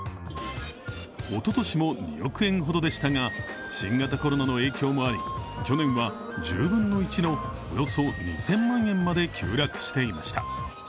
おととしも２億円ほどでしたが新型コロナの影響もあり去年は１０分の１のおよそ２０００万円まで急落していました。